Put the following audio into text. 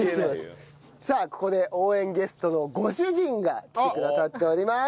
さあここで応援ゲストのご主人が来てくださっております。